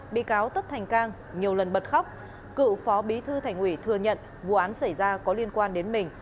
bị cáo tất thành cang nhiều lần bật khóc cựu phó bí thư thành ủy thừa nhận vụ án xảy ra có liên quan đến mình